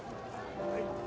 はい。